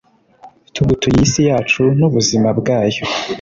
tugutuye iyi si yacu, n'ubuzima bwayo